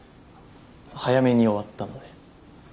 早めに終わったので。